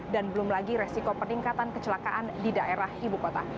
dan belum lagi resiko peningkatan kecelakaan di daerah ibu kota